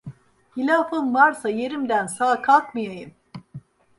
Hilafım varsa, yerimden sağ kalkmayayım…